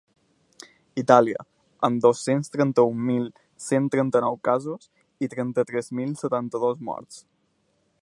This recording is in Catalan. Itàlia, amb dos-cents trenta-un mil cent trenta-nou casos i trenta-tres mil setanta-dos morts.